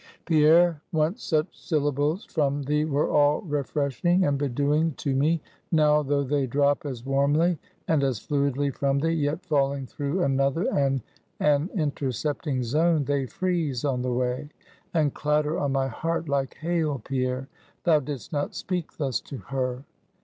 "Pierre, once such syllables from thee, were all refreshing, and bedewing to me; now, though they drop as warmly and as fluidly from thee, yet falling through another and an intercepting zone, they freeze on the way, and clatter on my heart like hail, Pierre. Thou didst not speak thus to her!"